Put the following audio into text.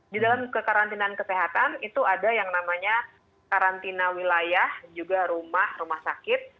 di dalam kekarantinaan kesehatan itu ada yang namanya karantina wilayah juga rumah rumah sakit